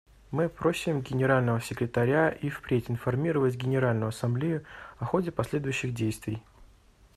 Мы просим Генерального секретаря и впредь информировать Генеральную Ассамблею о ходе последующих действий.